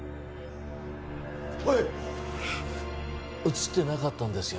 写ってなかったんですよ